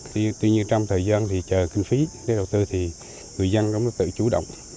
tuy nhiên trong thời gian chờ kinh phí để đầu tư người dân tự chủ động